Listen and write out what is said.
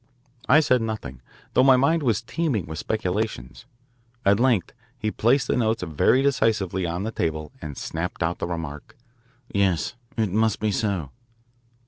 I said nothing, though my mind was teeming with speculations. At length he placed the notes very decisively on the table and snapped out the remark, "Yes, it must be so."